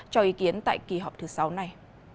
cho ý kiến tại kỳ họp thứ sáu này